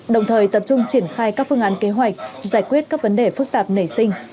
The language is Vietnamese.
đồng thời tập trung triển khai các phương án kế hoạch giải quyết các vấn đề phức tạp nảy sinh